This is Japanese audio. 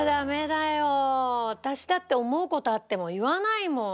私だって思う事あっても言わないもん。